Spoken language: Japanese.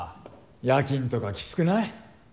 夜勤とかキツくない？